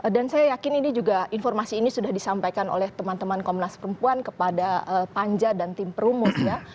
dan saya yakin ini juga informasi ini sudah disampaikan oleh teman teman komunas perempuan kepada panja dan tim perumus ya